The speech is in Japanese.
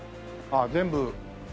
ああ全部。